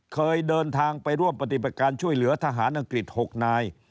เคยเดินทางไปร่วมปฏิบัติการช่วยเหลือทหารอังกฤษ๖นาย